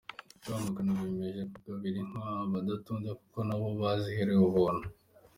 Rwamagana Biyemeje kugabira inka abadatunze kuko na bo baziherewe ubuntu